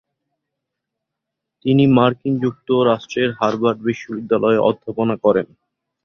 তিনি মার্কিন যুক্তরাষ্ট্রের হার্ভার্ড বিশ্ববিদ্যালয়ে অধ্যাপনা করেন।